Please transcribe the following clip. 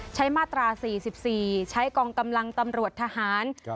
มาตรา๔๔ใช้กองกำลังตำรวจทหาร